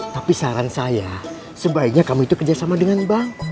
tapi saran saya sebaiknya kamu itu kerjasama dengan bank